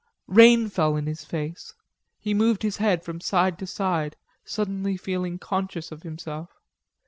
Rain fell in his face. He moved his head from side to side, suddenly feeling conscious of himself.